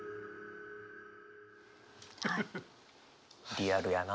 リアルやな。